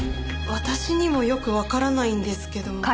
私にもよくわからないんですけど。